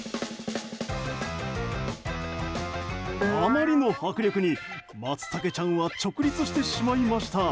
あまりの迫力にまつたけちゃんは直立してしまいました。